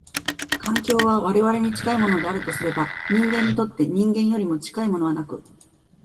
環境は我々に近いものであるとすれば、人間にとって人間よりも近いものはなく、